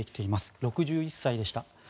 ６１歳でした。